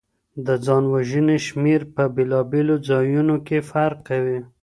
د ځان وژنې شمېر په بیلابیلو ځایونو کي فرق کوي.